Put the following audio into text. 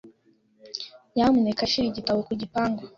Nyamuneka shyira igitabo ku gipangu.